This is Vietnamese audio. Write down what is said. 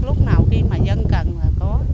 lúc nào khi mà dân cần thì có